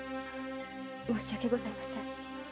申し訳ございません。